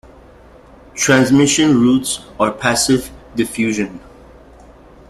Transmission routes are passive diffusion.